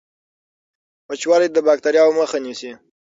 وچوالی د باکټریاوو مخه نیسي.